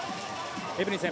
エブリンさん